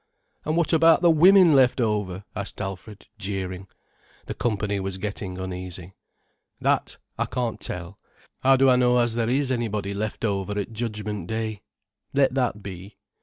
"And what about the women left over?" asked Alfred, jeering. The company was getting uneasy. "That I can't tell. How do I know as there is anybody left over at the Judgment Day? Let that be.